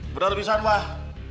bener bisa bah